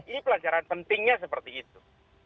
ini pelajaran pentingnya seperti itu